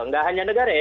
nggak hanya negara ya